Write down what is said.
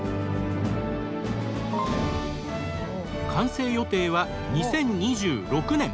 完成予定は２０２６年。